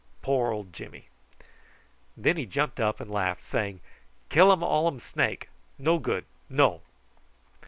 Poor old Jimmy!" Then he jumped up and laughed, saying: "Killum all um snake! No good! No!"